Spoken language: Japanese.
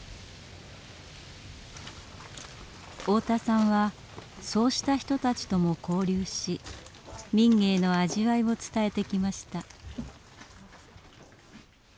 太田さんはそうした人たちとも交流し民藝の味わいを伝えてきました。